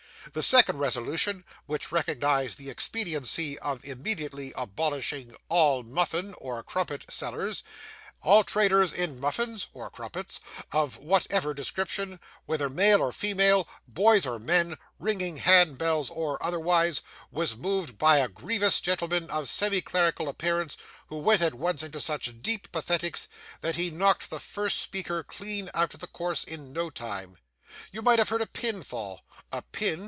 The second resolution, which recognised the expediency of immediately abolishing 'all muffin (or crumpet) sellers, all traders in muffins (or crumpets) of whatsoever description, whether male or female, boys or men, ringing hand bells or otherwise,' was moved by a grievous gentleman of semi clerical appearance, who went at once into such deep pathetics, that he knocked the first speaker clean out of the course in no time. You might have heard a pin fall a pin!